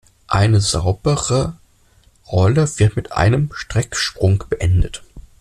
Eine saubere Rolle wird mit einem Strecksprung beendet.